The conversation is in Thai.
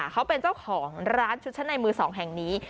เขาเป็นเจ้าของร้านชุดชั้นในมือ๒แห่งนี้